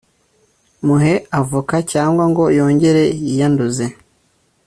muhe avoka cyangwa ngo yongere yiyanduze